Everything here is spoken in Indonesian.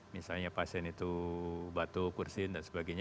misalnya pasien itu batuk kursin dan sebagainya